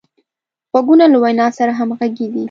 غوږونه له وینا سره همغږي دي